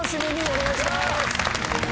お願いします。